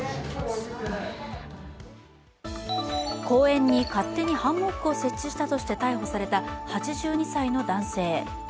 公園に、勝手にハンモックを設置したとして逮捕された８２歳の男性。